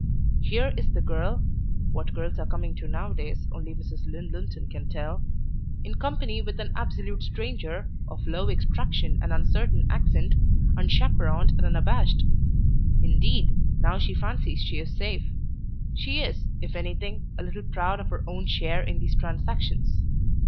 Here is the girl what girls are coming to nowadays only Mrs. Lynn Linton can tell! in company with an absolute stranger, of low extraction and uncertain accent, unchaperoned and unabashed; indeed, now she fancies she is safe, she is, if anything, a little proud of her own share in these transactions.